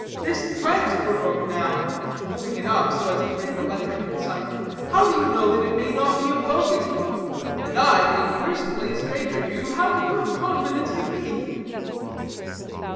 This transfer book, now," holding it up so as to bring the lettering in sight, "how do you know that it may not be a bogus one? And I, being personally a stranger to you, how can you have confidence in me?"